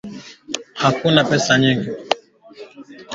Huambukizwa kupitia kwa malisho na vyakula vilivyoambukizwa viini hivyo